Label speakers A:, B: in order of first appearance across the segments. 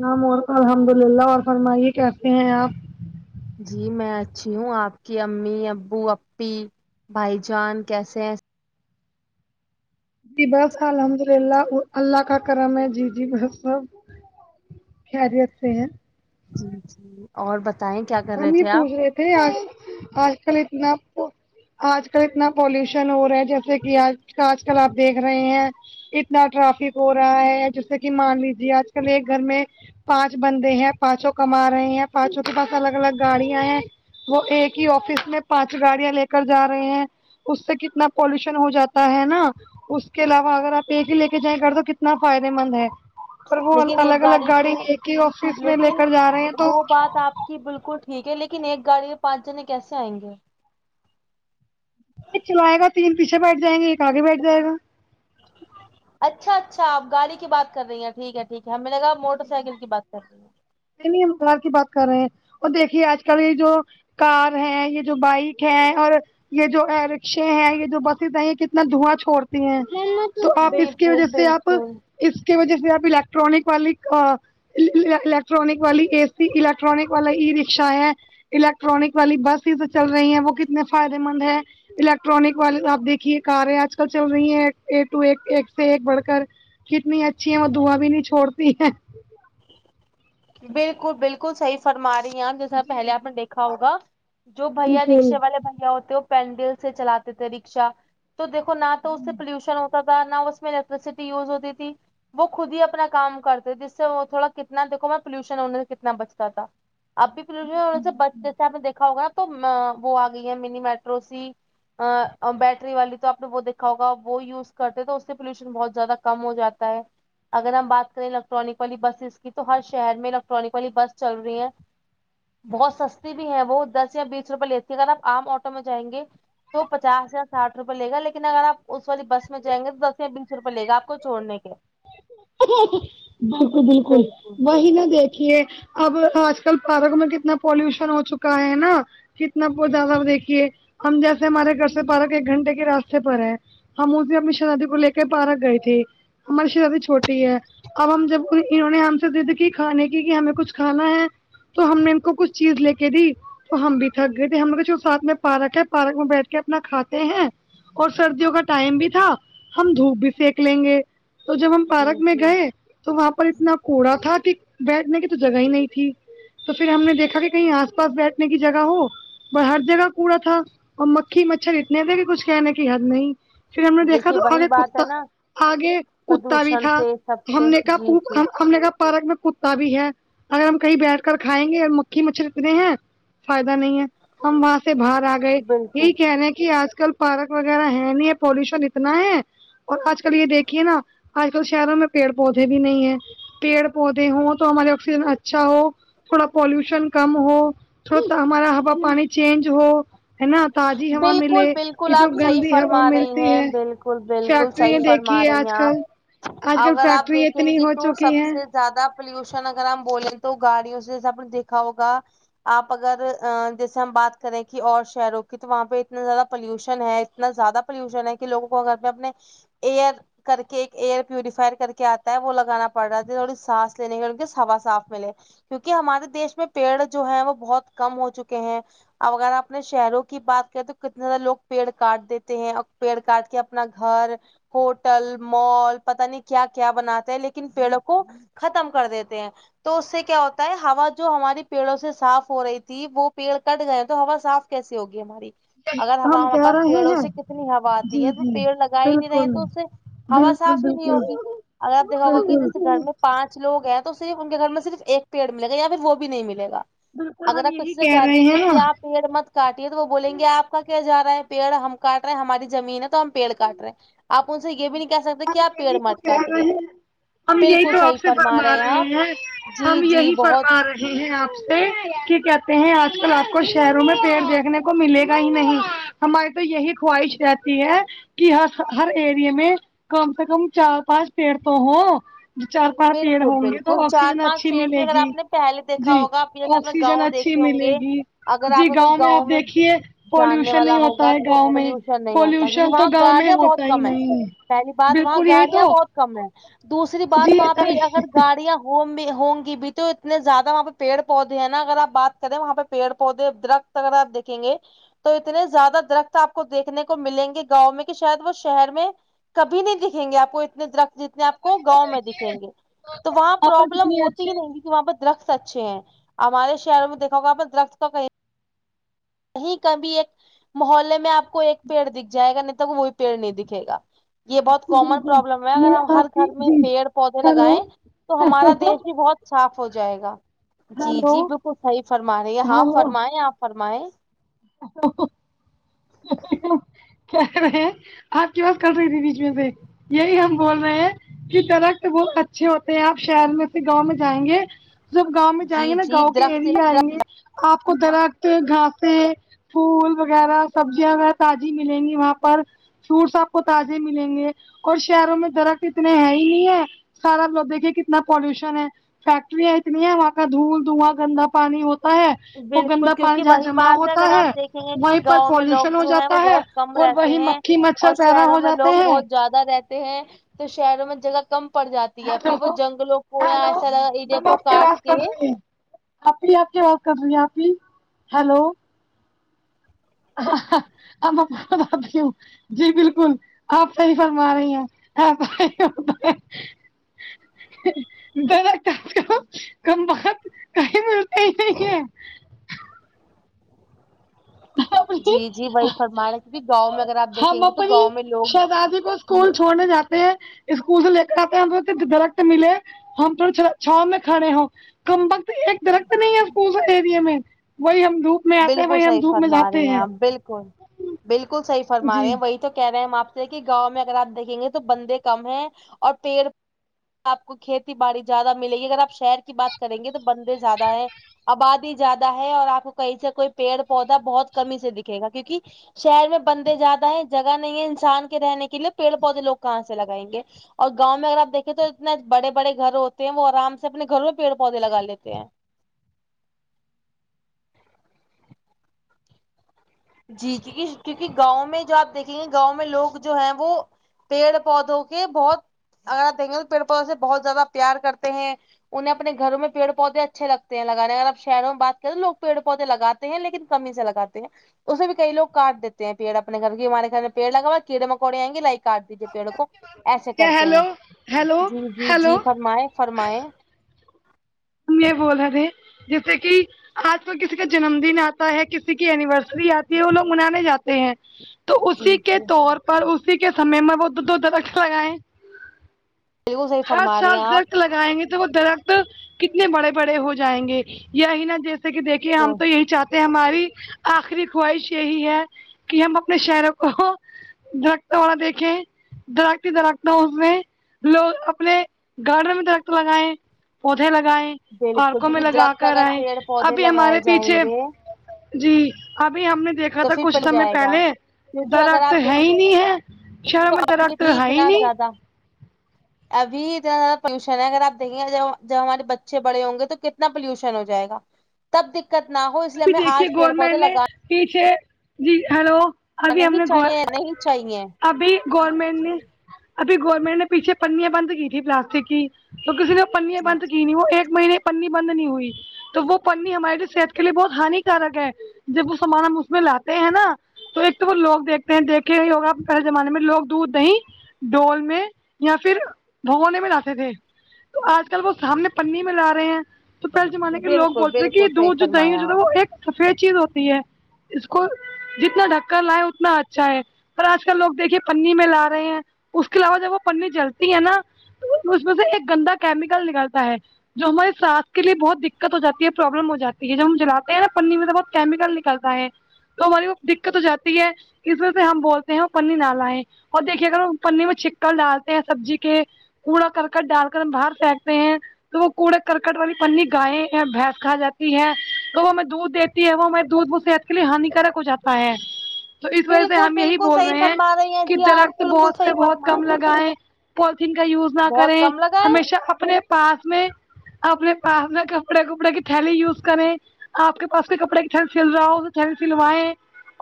A: سام اور الحمد للہ اور فرمائیے کیسی ہیں آپ
B: جی میں اچھی ہوں آپ کی امی ابو اپپی بھائی جان کیسے ہیں
A: جی بس الحمد للہ اللہ کا کرم ہے جی جی بہت سب خیریت سے ہیں
B: جی جی اور بتائیں کیا کر رہے
A: ہم یہ
B: تھے آپ
A: پوچھ رہے تھے آج آج کل اتنا آج کل اتنا پالوشن ہو رہا ہے جیسے کہ آج آج کل آپ دیکھ رہے ہیں اتنا ٹرافک ہو رہا ہے جیسے کہ مان لیجیے آج کل ایک گھر میں پانچ بندے ہیں پانچوں کما رہے ہیں پانچوں کے پاس الگ الگ گاڑیاں ہیں وہ ایک ہی آفس میں پانچ گاڑیاں لے کر جا رہے ہیں اس سے کتنا پالوشن ہو جاتا ہے نا اس کے علاوہ اگر آپ ایک ہی لے کے جائیں گھر تو کتنا فائدے مند ہے پر وہ
B: لیکن ایک
A: الگ الگ
B: پہ
A: گاڑی لے کے آفس میں لے کر جا رہے ہیں تو
B: جی بالکل ٹھیک ہے لیکن ایک گاڑی میں پانچ جنے کیسے آئیں گے
A: چلائے گا تین پیچھے بیٹھ جائیں گے ایک آگے بیٹھ جائے گا
B: اچھا اچھا آپ گاڑی کی ب کر رہی ہیں ٹھیک ہے ٹھیک ہے ہمیں نےگا موٹر سائیکل کی بات کر رہی ہے
A: ہمار کی بات کر رہے ہیں اور دیکھیے آج کل یہ جو کار ہے یہ جو بائک ہے اور یہ جو رکشے ہیں یہ جو بسیز ہیں یہ کتنا دھواں چھوڑتی ہیں تو آپ اس کی وجہ
B: بالکل
A: سے آپ
B: بالکل
A: اس کی وجہ سے آپ الیکٹرانک والی الیکٹرانک والی اے سی الیکٹرانک والا ای رکشا ہے الیکٹرانک والی بس سے چل رہی ہے وہ کتنے فائدے مند ہے الیکٹرانک والے آپ دیکھیے کار ہے آج کل چل رہی ہیں اے ٹو ایک ایک سے ایک بڑھ کر کتنی اچھی ہے وہ دعا بھی نہیں چھوڑتی ہے
B: بالکل بالکل صحیح فرما رہی ہ جیسا پہلے آپ نے دیکھا ہوگا جو بھیا
A: بالکل
B: رکشے والے بھیا ہوتے ہو پینڈل سے چلاتے تھے رکشا تو دیکھو نہ تو اس سے پولوشن ہوتا تھا نہ اس الیکٹرسٹی ہوتی تھی وہ خد ہی اپنا کام کرتے وہ تھوڑا کتنا دیکھو میں پولوشن ہونے سے کتنا بچتا تھا اب بھی پولوشن سے بس جیسے آپ نے دیکھا ہوگا نا تو وہ آ گئی ہے منی میٹرو س بیٹری والی تو آپ نے وہ دیکھا ہوگا وہ یوز کرتے تو اس سے پولوشن بہت زیادہ کم ہو جاتا ہے اگر ہم بات کریں الیکٹرانک والی بسز کی تو ہر شہر میں الیکٹرانک والی بس چل رہی ہیں بہت سستی بھی ہے بہت دس یا بیس روپئے لیتی ہے اگر آپ آام آٹو میں جائیں گے تو پچاس یا ساٹھ روپئے ل گا لیکن اگر آپ اس والی بس میں جائیں گے تو دس یا بیس روپئے لے گا آپ کو چھوڑنے کے
A: بالکل بالکل وہی نہ دیکھ اب آج کل پارک میں کتنا پالوشن ہو چکا ہے نا کتنا خد آپ زیادہ دیکھیے ہم جیسے ہمارے گھر سے پارک ایک گھنٹے کے راستے پر ہے ہم اس بھی اپنی شہزادی کو لے کے پارک گئے تھے ہماری شہزادی چھوٹی ہے اب ہم جب انہوں نے ہم سے ضد کی کھانے کی کہ ہمیں کچھ کھانا ہے تو ہم نے ان کو کچھ چیز لے کے دی تو ہم بھی تھک گئے تھے ہم لگ جو ساتھ میں پارک ہے پارک میں بیٹھ کے اپنا کھاتے ہیں اور سردیوں کا ٹائم بھی تھا ہم دھوپ بھی سینک لیں گے تو جب ہم
B: جی
A: پارک میں
B: جی
A: گئے تو وہاں پر اتنا کوڑا تھا کہ بیٹھنے کی تو جگہ ہی نہیں تھی تو پھر ہم نے دیکھا کہ کہیں آس پاس بیٹھنے کی جگہ ہو ہر جگہ کوڑا تھا اور مکھی مچھر اتنے تھے کہ کچھ کہنے کہ ہد نہیں پھر ہم نے دیکھا
B: دیکھیے
A: تو
B: وہی
A: آگ
B: بات ہے
A: کتا
B: نا
A: آگے کتا بھی
B: پردوشن
A: تھا
B: سے سب
A: ہم
B: سے
A: نے
B: جی جی
A: کہا ہم نے کا پارک میں کتا بھی ہے اگر ہم کہیں بیٹھ کر کھائیں گے مکھی مچھر اتنے ہیں فائدہ نہیں ہے ہم وہاں سے باہر آ گئے
B: بالکل
A: یہی کہہ رہے ہیں کہ آج کل پارک وغیرہ ہے نہیں ہے پولوشن اتنا ہے اور آج کل یہ دیکھیے نا آج کل شہروں میں پیڑ پودے بھی نہیں ہے پیڑ پودے ہوں تو ہمارے آکسیجن اچھا ہو تھوڑا پالوشن کم ہو تھوڑا سا ہمارا ہوا پانی چینج ہو ہے نا تازی ہوا
B: بالکل
A: ملے
B: بالکل
A: یہ جو
B: آپ صحیح
A: گندی ہوا
B: فرما رہی
A: ملتی
B: ہیں
A: ہے
B: بالکل
A: کیا
B: بالکل
A: تو
B: صحیح
A: یہ
B: فرما
A: دیکھیے
B: رہی
A: آج
B: ہیں آپ
A: کل آج کل
B: اگر آپ
A: فیکٹری
B: دیکھیں
A: اتنی
B: گی
A: ہو
B: تو
A: چکی
B: سب
A: ہیں
B: سے زیادہ پولوشن اگر ہم بولیں تو گاڑیوں سے جسے آپ نے دیکھا ہوگا آپ اگر جیسے ہم بات کریں کہ اور شہروں کی تو وہاں پہ اتنا زیادہ پولوشن ہے اتنا زیادہ پولوشن ہے کہ لوگوں کو گھر پہ اپنے ایئر کر کے ایک ایئر پیوریفائر کر کے آتا ہے وہ لگانا پڑ رہا ہے تو تھوڑی سانس لینے مے انکو ہوا صاف ملے کیونکہ ہمارے دیش میں پیڑ جو ہے وہ بہت کم ہو چکے ہیں اب اگر اپنے شہروں کے کی بات کریں تو کتنے زیادہ لوگ پیڑ کاٹ دیتے ہیں اور پیڑ کاٹ کے اپنا گھر ہوٹل مال پتا نہیں کیا کیا بناتے ہیں لیکن پیڑوں کو ختم کر دیتے ہیں تو اس سے کیا ہوتا ہے ہوا جو ہماری پیڑوں سے صاف ہو رہی تھی وہ پیڑ کٹ گئے تو ہوا صاف کیسے ہوگی ہماری اگر ہوا
A: ہم
B: ہمارے
A: کہہ
B: پاس
A: رہے
B: پیڑوں
A: ہیں
B: سے کتنی ہوا آتی
A: جی
B: ہے وہ
A: جی
B: پیڑ لگا ہی نہیں رہے
A: بالکل
B: تو اسے ہوا
A: بالکل
B: صاف ہی نہیں ہوگی
A: بالکل
B: اگر آپ دیکھاؤا کہ
A: بالکل
B: جیسے گھر میں پانچ لوگ ہیں تو صرف ان کے گھر میں صرف ایک پیڑ ملے گا یا پھر وہ بھی نہیں ملے گا
A: بالکل
B: اگر
A: ہم
B: آپ
A: یہی
B: کسی سے کہہ
A: رہے
B: دیں گے
A: ہیں
B: کہ
A: نا
B: آپ پیڑ مت کتیے تو وہ بولیں گے آپ کا کیا جا رہا ہے پیڑ ہم کاٹ رہے ہیں ہماری زمین ہے تو ہم پیڑ کاٹ رہے ہیں آپ ان سے یہ بھی نہیں کہہ سکتے کہ
A: ہم
B: آپ
A: یہی
B: پیڑ
A: تو
B: مٹ
A: کہہ رہے
B: کاٹیے
A: ہیں ہم یہی
B: بالکل
A: تو آپ
B: صحیح
A: سے
B: فرما رہے ہیں آپ جی
A: ہم
B: جی
A: یہی
B: بہت
A: فرما رہے ہیں آپ سے کہتے ہیں آج کل آپ کو شہروں میں پیڑ دیکھنے کو ملے گا ہی نہیں ہماری تو یہی خواہش رہتی یہ ہے کہ ہر ہر ایریے میں کم سے کم چار پانچ پیڑ تو ہوں چار پانچ پیڑ
B: بالکل
A: ہوں گے تو
B: بالکل چار
A: آکسیجن
B: پانچ
A: اچھی
B: پیڑ بھی
A: ملے
B: اگر
A: گی
B: آپ نے پہلے دیکھا
A: جی
B: ہوگا جیسے اپنے
A: آکسیجن
B: گاؤں
A: اچھی
B: دیکھے ہوں
A: ملے
B: گے
A: گی
B: اگر
A: جی
B: آپ کو کوئی گاؤں
A: آپ
B: میں
A: دیکھیے
B: جاننے
A: پالوشن
B: والا
A: نہیں ہوتا
B: ہوگا
A: ہے
B: تو
A: گاؤں میں
B: پولوشن نہیں ہوتا
A: پالوشن تو
B: وہاں
A: گاؤں میں
B: گاڑیاں
A: ہوتا
B: بہت کم
A: ہی
B: ہے
A: نہیں
B: پہلی بات وہاں
A: بالکل یہی
B: گاڑیاں
A: تو
B: بہت کم ہے دوسری بات
A: جی
B: وہاں پہ اگر گاڑیاں ہوں ہوں گی بھی تو اتنے زیادہ وہاں پہ پیڑ پودے ہیں نا اگر آپ بات کرے وہاں پہ پیڑ پودے درخت اگر آپ دیکھے گے تو اتنے زیادہ درخت آپ کو دیکھنے کو ملیں گے گاؤں میں کہ شاید وہ شہر میں کبھی نہیں دکھیں گے آپ کو اتنے درخت جتنے آپ کو گاؤں میں دکھیں گے تو وہاں
A: آپ
B: پروبلم
A: کتنی
B: ہوتی
A: اچھی
B: ہی نہیں وہاں پرہ درخت اچھے ہیں ہمارے شہروں میں دیکھا ہوا درخت کا کہیں کہیں ک بھیھی ایک محلے میں آپ کو ایک پیڑ دکھ جائے گا نہیں تو وہ وہی پیڑ نہیں دکھے گا یہ بہت کومن
A: بالکل
B: پروبلم ہے اگر ہم
A: یہ
B: ہر
A: آپ کی
B: گھر میں
A: جی
B: پیڑ پودے
A: ہلو
B: لگائےیں تو ہمارا دیش بھی
A: ہلو
B: بہت صاف ہو جائے گا جی
A: ہلو
B: جی بالکل صحیح فرما رہے ہے ہاں
A: ہلو
B: فرمائیں آپ فرمائے
A: کیا رہے ہیں آپ کی بات کر رہی تھی بیچ میں سے یہی ہم بول رہے ہیں کی درخت بہت اچھے ہوتے ہیں آپ شہر میں سے گاؤں میں جائیں گے جب گاؤں میں جائیں
B: جی
A: گے نا
B: جی
A: گاؤں کے
B: درخت نا
A: ایریا آئیں گے آپ کو درخت گھاسے پھول وغیرہ سبزیاں وہ تازی ملیں گی وہاں پر فروٹس آپ کو تازے ملیں گے اور شہروں میں درخت اتنے ہے ہی نہیں ہے سارا لوگ دیکھیے کتنا پالوشن ہے فیکٹریاں اتنی ہیں وہاں کا دھول دھواں گندا پانی ہوتا ہے وہ
B: بالکل
A: گندا پانی
B: کیوکی
A: جہاں
B: وہی
A: جمع
B: بات ہے
A: ہوتا
B: اگر آپ دیکھیں گے کہ
A: وہیں پر
B: گاؤں مے لوگ
A: پالوشن ہو
B: جو ہے وہ
A: جاتا
B: بہت کم
A: اور
B: رہتے
A: وہی
B: ہیں
A: مکھی
B: اور
A: مچھر پیدا
B: شہروں
A: ہو
B: میں
A: جاتے
B: لوگ
A: ہیں
B: بہت زیادہ رہتے ہیں تو شہروں میں جگہ کم پڑ جاتی ہے
A: ہیلو
B: پھر وہ جنگلوں کو یا
A: ہیلو
B: ایسا ایریا
A: میم
B: کو
A: آپ کی
B: کاٹ
A: آواز
B: کے
A: کٹ رہی ہے آپ ہی آپ کیا بات کر رہی ہیں آپ ہی ہیلو اب آتیوں جی بالکل آپ پہری بار م آ رہی ہیں ہاں بگتا کم بت کا م ا
B: جی جی وہی فرما رہے ہیں، کیونکہ گاؤں میں اگر آپ دیکھیں
A: ہم
B: گے تو
A: اپنی
B: گاؤں میں لوگ
A: شہزادی کو اسکول چھوڑنے جاتے اسکول سے لے کر آتے ہیں ہم درخت ملے ہم تھوڑ چھاؤ میں کھڑے ہو کم وقت ایک درخت نہیں ہے اسکول ایریے میں وہی ہم دھوپ میں آتے ہیں
B: بالکل
A: وہی ہم
B: صحیح
A: دوپ
B: فرما رہی ہیں آپ بالکل بالکل صحیح فرما رہے
A: جی
B: ہیں وہی تو کہہ رہے ہیں ہم آپ سے کہ گاؤں میں اگر آپ دیکیں گے تو بندے کم ہیں اور پیڑ آپ کو کھیتی باڑی زیادہ ملے گی اگر آپ شہر کی بات کریں گے تو بندے زیادہ ہے آباد ہی زیادہ ہے اور آپ کو کہیں سے کوئی پیڑ پودا بہت کمی سے دکھے گا کیوںکہ شہر میں بندے زیادہ ہے جگہ نہیں ہے انسان کے رہنے کے لیے پیڑ پودے لوگ کہاں سے لگائیں گے اور گاؤں میں اگرپ دیکھیں تو اتنے بڑے بڑے گھر ہوتے ہیں وہ آرام سے اپنے گھروں میں پیڑ پودے لگا لیتے ہیں جی ج کیونکہ گاؤں میں جو آپ دیک گاؤں میں لوگ جو ہیں وہ پیڑ پودوں کے بہت اگر آپ دینگل پیڑ پود سے بہت زیادہ پیار کرتے ہیں انہ اپنے گھر میں پڑ پودے اچھے لگتے لگانے اگر آپ شہروں میں بات کریں تو لوگ پڑ پودے لگاتے ہیں لیکن کمی ہی سے لگاتے ہیں اسے بھی کئی لگ کاٹ دیتے پڑ اپنے گھر کے ہمارے گھر میں پڑ لگا کیڑے مکوڑےئ گے لائک کاٹ دییے پیڑوں کو ایسے کرتے ہیں
A: ہیلو ہیلو
B: جی جی
A: ہیلو
B: جی
A: ہم
B: فرمائے فرمائے
A: بول تھ جیسے کہ آج پل کسی کا جنم دن آتا ہے کسی کی اینیورسری آتی ہے وہ لوگ منانے جاتے ہیں تو اسی
B: جی
A: کے
B: جی
A: طور پر اسی کے سمے میں وہ د رکھا لگائے
B: بالکل صحیح
A: ہر
B: فرما رہی
A: سال
B: ہیں آپ
A: درخت لگائیں گے تو وہ درخت کتنے بڑے بڑے ہو جائیں گے یہی نا جیسے کہ دیکھیے
B: کو
A: ہم تو یہی چاہتے ہماری آخری خواہش یہی ہے کہ ہم اپنے شہروں کو درخت والا دیکھیں درختی درخت ہوں اس میں لوگ اپنے گارڈن میں درخت لگائیں پے لگائے
B: بالکل
A: پارکوں میں
B: کیونکہ
A: لگا
B: درخت
A: کر
B: اگر
A: آئے
B: پیڑ پودے
A: ابھی
B: لگائے
A: ہمارے
B: جائیں
A: پیچھے
B: گے
A: جی ابھی ہم نے دیکھا
B: تو
A: تھا
B: پھر
A: کچھ
B: پل
A: سمے
B: جائے گا
A: پہلے
B: کیونکہ اگر
A: درخت
B: آپ
A: ہے
B: دیکھیں
A: ہی نہیں ہے شر میں درخت ہے ہی نہیں
B: نہ قابل سماعت ابھی اتنا زیادہ پولوشن ہے اگر آ دیکھیں گے جب ہمارے بچے بڑے ہوں گے تو کتنا پولوشن ہو جائے گا تب دقت نہ ہو اس لیے میں آج پیڑ پودے لگا
A: چ جی ہیلو ابھی ہم
B: نہیں
A: نے
B: چاہیے نہیں چاہیے
A: ابھی گورنمنٹ نے ابھی گورنمنٹ نے پیچھے پنیاں بند کی تھی پلاسٹک کی تو کسی نے پنیا
B: جی
A: بند
B: جی
A: کی نہیں وہ ایک مہینے پنی بند نہیں ہوئی تو وہ پنی ہماری لی صحت کے لیے بہت ہانیکارک ہے جب وہ سامان ہم اس میں لاتے ہیں نا تو ایک تو وہ لوگ دیکھتے ہیں دیکھے ہی ہوگا پہے زمانے میں لوگ دودھ نہیں ڈول میں یا پھر بھگونے میں لاتے تھے تو آج کل وہ سامنے پنی میں لا رہے ہیں تو پہلے زمانے کے لوگ
B: بالکل
A: بولتے تھے کہ
B: بالکل صحیح
A: دودھ جو دہی ہو جو
B: فرمایا
A: تھا
B: آپ
A: وہ ایک سفید چیز ہوتی ہے اس کو جتنا ڈھکا لائے اتنا اچھا ہے پر آج کل لوگ دیکھے پنی میں لا رہے ہیں اس کے علاوہ جب وہ پنی جلتی ہے نا اس میں سے ایک گندا کیمیکل نکلتا ہے جو ہماراری سانسھ کے لیے بہت دقت ہو جاتی ہے پروابلم ہو جی ہے یہ جب ہم جلے ہیں نا پنی میں تو بہت کیمیکل نکلتا ہے تو ہماری وہ دقت ہو جاتی ہے اس وجہ سے ہم بولتے ہیں وہ پنی نہالائیں اور دیکھیے اگر ہم پنی میں چکڑ ڈالتے ہیں سبزی کے کوڑا کرکٹ ڈال کر ہم باہر پھینکتے ہیں تو وہ کوڑا کرکٹ والی پنی گائےیں بھینس کھا جاتی ہے تو وہ میں دودھ دیتی ہے وہ میں دودھ وہ صحت کے لیے ہانیکارک ہو جاتا ہے تو اس وجہ سے
B: بالکل
A: ہم یہی
B: بالکل
A: بول
B: صحیح
A: رہے ہیں
B: فرما رہی
A: کہ
B: جی آپ
A: درخت
B: بالکل
A: بہت سے
B: صحیح
A: بہت
B: فرما
A: کم
B: رہی ہیں
A: لگائے پولیتھیین کا یوز نہ
B: بہت
A: کریں
B: کم لگائے
A: ہمیشہ اپنے پاس میں اپنے پاس میں کپڑے کپڑے کی تھیلی یوز کریں آپ کے پاس کے کپڑے کی ٹھن سل رہا ہو ٹھن سلویں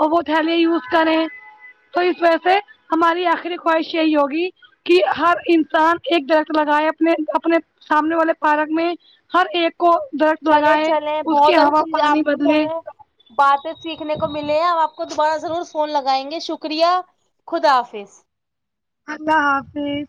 A: اور وہ تھیلی یوز کریں تو اس وجہ سے ہماری آخری خواہش یہی ہوگی کہ ہر انسان ایک درخت لگائے اپنے اپنے سامنے والے پارک میں ہر ایک کو درخ
B: چلے
A: لگائے
B: چلے
A: اس کی
B: بہت
A: ہوا
B: اچھی آپ
A: پانی
B: سب
A: بدلے
B: ہے باتیں سیکھنے کو ملے ہیں ہم آپ کو دوبارہ ضرور فون لگائیں گے شکریہ خدا حافظ
A: اللہ حافظ